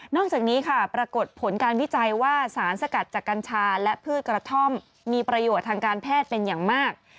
จากนี้ค่ะปรากฏผลการวิจัยว่าสารสกัดจากกัญชาและพืชกระท่อมมีประโยชน์ทางการแพทย์เป็นอย่างมาก